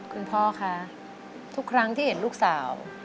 คุณพ่อคะทุกครั้งที่เห็นลูกสาว